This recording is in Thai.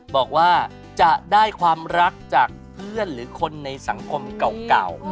บอกว่าจะได้ความรักจากเพื่อนหรือคนในสังคมเก่า